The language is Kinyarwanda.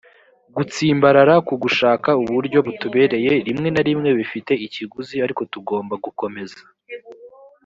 gutsimbarara ku gushaka uburyo butubereye rimwe na rimwe bifite ikiguzi ariko tugomba gukomeza